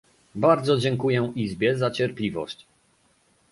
Bardzo dziękuję Izbie za cierpliwość